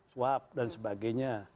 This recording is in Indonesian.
swap dan sebagainya